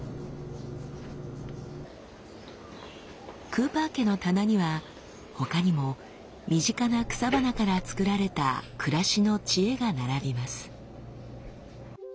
クーパー家の棚にはほかにも身近な草花から作られた暮らしの知恵が並びます。